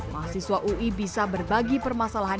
mahasiswa ui bisa berbagi permasalahan